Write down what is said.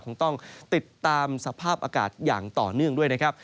คงต้องติดตามสภาพอากาศอย่างต่อเนื่องด้วยนะครับ